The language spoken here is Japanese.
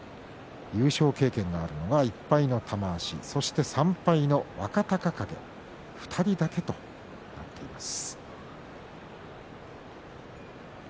優勝経験があるのが１敗は玉鷲そして３敗の若隆景２人だけとなっています。